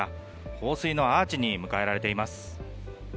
放水のアーチに迎えられています。